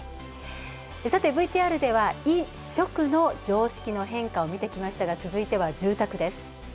ＶＴＲでは衣、食の常識を見てきましたが続いては住宅です。